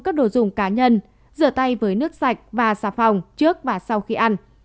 các đồ dùng cá nhân rửa tay với nước sạch và xà phòng trước và sau khi ăn